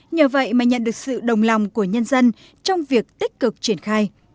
nhờ vậy mà nhận được sự đồng lòng của nhân dân trong việc tích cực triển khai